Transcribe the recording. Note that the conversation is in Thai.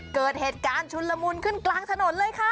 เกิดเหตุการณ์ชุนละมุนขึ้นกลางถนนเลยค่ะ